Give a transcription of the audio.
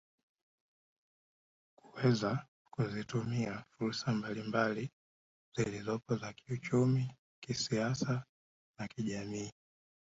Kuweza kuzitumia fursa mbalimbali zilizopo za kiuchumi kisiasa na kijamii